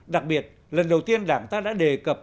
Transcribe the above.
đặc biệt lần đầu tiên đảng ta đã đề cập